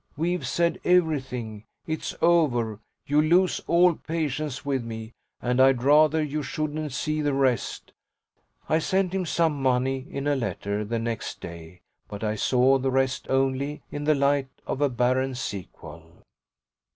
We've said everything; it's over; you'll lose all patience with me, and I'd rather you shouldn't see the rest." I sent him some money in a letter the next day, but I saw the rest only in the light of a barren sequel.